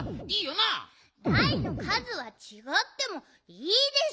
だいのかずはちがってもいいでしょ。